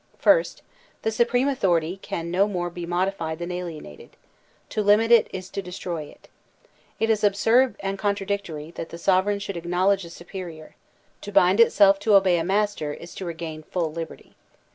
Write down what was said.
First, the supreme authority can no more be modified than alienated; to limit it is to destroy it. It is absurd and contradictory that the sovereign should acknowledge a superior; to bind itself to obey a master is to regain full liberty.